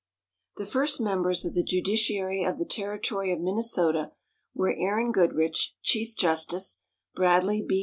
The first members of the judiciary of the Territory of Minnesota were Aaron Goodrich, chief justice; Bradley B.